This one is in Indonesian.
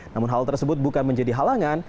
namun hal tersebut bukan menjadi halangan